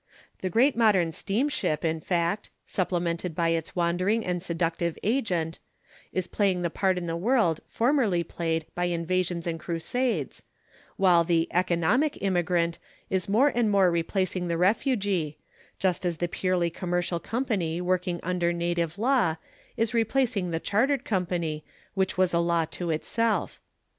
The great modern steamship, in fact supplemented by its wandering and seductive agent is playing the part in the world formerly played by invasions and crusades, while the "economic" immigrant is more and more replacing the refugee, just as the purely commercial company working under native law is replacing the Chartered Company which was a law to itself.